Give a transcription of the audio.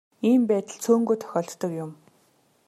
Ийм байдал цөөнгүй тохиолддог юм.